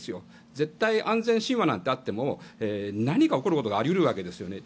絶対安全神話なんてあっても何か起こることがあり得るわけですよね。